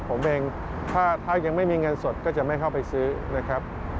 ผมเองถ้ายังไม่มีเงินสดก็จะไม่เข้าไปซื้อนะครับ